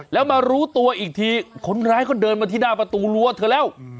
แล้วมารู้ตัวอีกทีคนร้ายก็เดินมาที่หน้าประตูรั้วเธอแล้ว